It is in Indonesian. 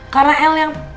karena el yang